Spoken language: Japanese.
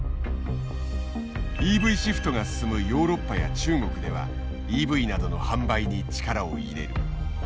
ＥＶシフトが進むヨーロッパや中国ではＥＶなどの販売に力を入れる。